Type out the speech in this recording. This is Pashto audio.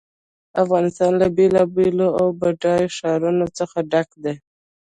افغانستان له بېلابېلو او بډایه ښارونو څخه ډک دی.